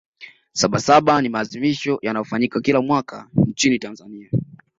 sabasaba ni maadhimisho yanayofanyika kila mwaka nchini tanzania